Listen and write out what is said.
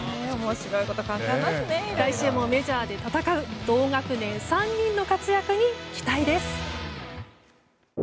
来週も、メジャーで戦う同学年３人の活躍に期待です。